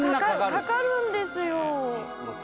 かかるんですよ